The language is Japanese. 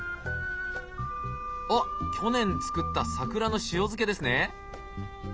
あっ去年作った桜の塩漬けですね。